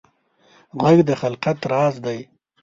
غږ د خلقت راز دی